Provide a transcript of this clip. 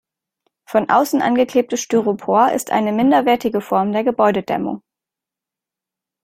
Von außen angeklebtes Styropor ist eine minderwertige Form der Gebäudedämmung.